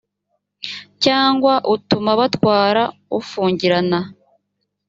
cyangwa utuma batwara ufungirana